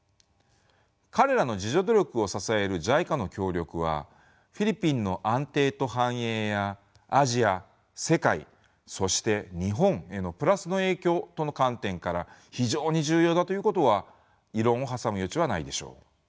彼らの自助努力を支えるＪＩＣＡの協力はフィリピンの安定と繁栄やアジア世界そして日本へのプラスの影響との観点から非常に重要だということは異論を挟む余地はないでしょう。